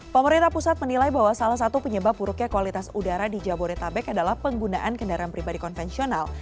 pemerintah pusat menilai bahwa salah satu penyebab buruknya kualitas udara di jabodetabek adalah penggunaan kendaraan pribadi konvensional